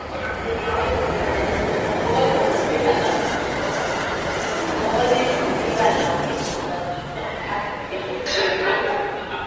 Ngozi huvimba na kujikunjakunja hasa kwenye shingo